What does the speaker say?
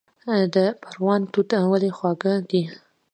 د پروان توت ولې خوږ دي؟